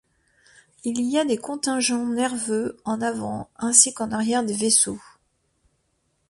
Il y a des contingents nerveux en avant ainsi qu'en arrière des vaisseaux.